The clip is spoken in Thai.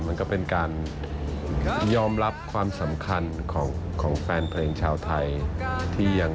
มันก็เป็นการยอมรับความสำคัญของแฟนเพลงชาวไทยที่ยัง